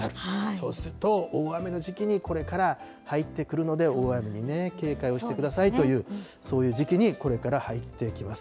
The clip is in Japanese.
そうすると、大雨の時期にこれから入ってくるので、大雨に警戒をしてくださいという、そういう時期にこれから入っていきます。